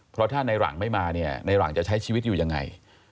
เพราะถ้าในหลังไม่มาเนี่ยในหลังจะใช้ชีวิตอยู่ยังไง